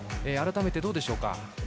改めてどうでしょうか。